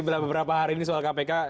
bilang beberapa hari ini soal kpk